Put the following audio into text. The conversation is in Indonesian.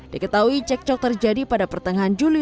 diketahui cekcok terjadi pada pertengahan juli